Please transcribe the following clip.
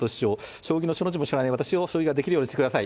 将棋のしょの字も知らない私を、将棋ができるようにしてください！